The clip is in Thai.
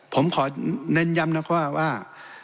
ผมขอเน้นย้ำนะครับว่า